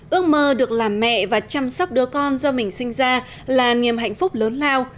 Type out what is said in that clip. ước mơ được làm mẹ và chăm sóc đứa con do mình sinh ra là niềm hạnh phúc lớn lao